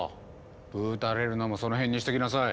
ぶうたれるのもそのへんにしときなさい。